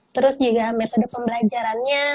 terus juga metode pembelajarannya